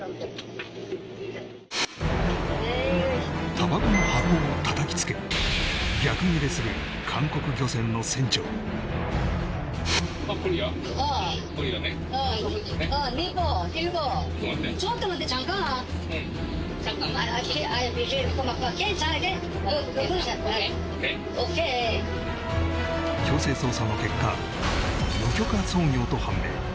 タバコの箱を叩きつけする韓国漁船の船長強制捜査の結果無許可操業と判明